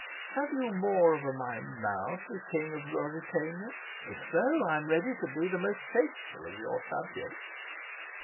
Have you more of a mind now to be King of Ruritania? If so, I'm ready to be the most faithful of your subjects."